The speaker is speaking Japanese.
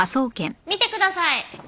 見てください。